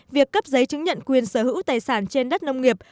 việc cấp giấy chứng nhận quyền sở hữu tài sản trên đất nông nghiệp